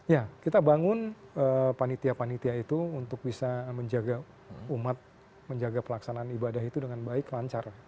ya kita bangun panitia panitia itu untuk bisa menjaga umat menjaga pelaksanaan ibadah itu dengan baik lancar